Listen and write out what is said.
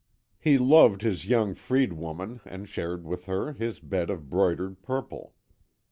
He loved his young freed woman and shared with her his bed of broidered purple.